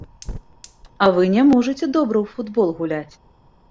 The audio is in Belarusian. А вы не можаце добра ў футбол гуляць!